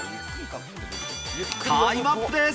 タイムアップです。